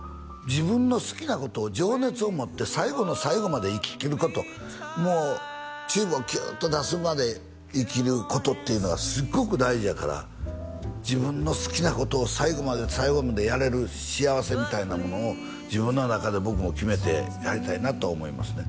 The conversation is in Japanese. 自分の好きなことを情熱を持って最後の最後まで生ききることもうチューブをキューッと出すまで生きることっていうのはすっごく大事やから自分の好きなことを最後まで最後までやれる幸せみたいなものを自分の中で僕も決めてやりたいなと思いますね